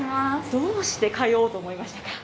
どうして通おうと思いましたか。